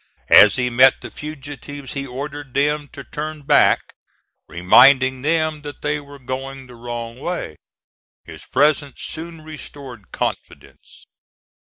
As he met the fugitives he ordered them to turn back, reminding them that they were going the wrong way. His presence soon restored confidence.